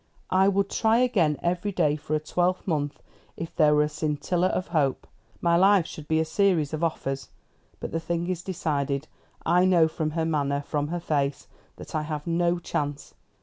"I would try again, every day for a twelvemonth, if there were a scintilla of hope. My life should be a series of offers. But the thing is decided. I know from her manner, from her face, that I have no chance.